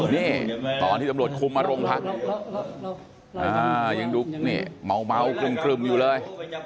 นี่ตอนที่ตำรวจคุมมาโรงพักยังดูนี่เมากรึ่มอยู่เลย